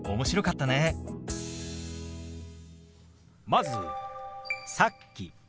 まず「さっき」。